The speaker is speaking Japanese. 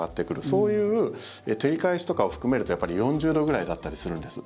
そういう照り返しとかを含めるとやっぱり４０度ぐらいだったりするんです。